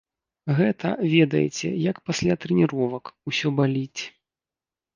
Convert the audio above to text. Гэта, ведаеце, як пасля трэніровак, усё баліць.